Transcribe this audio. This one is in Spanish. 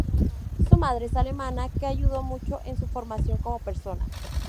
Su madre es alemana, que ayudó mucho en su formación como persona.